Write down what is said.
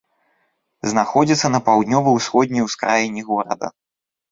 Знаходзіцца на паўднёва-ўсходняй ускраіне горада.